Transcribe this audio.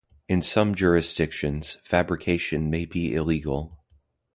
In some jurisdictions, fabrication may be illegal.